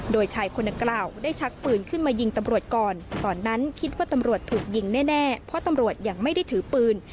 โดยชายคนดังกล่าวได้ชักปืนขึ้นมายิงตำรวจก่อนตอนนั้นคิดว่าตำรวจถูกยิงแน่เพราะตำรวจยังไม่ได้ถือปืน